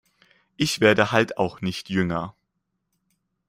Ich werde halt auch nicht jünger.